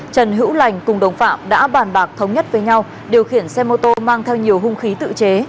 trần hữu lành cùng đồng phạm đã bàn bạc thống nhất với nhau điều khiển xe mô tô mang theo nhiều hung khí tự chế